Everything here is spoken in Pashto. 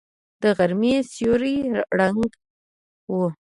د غرمې سیوری ړنګ و.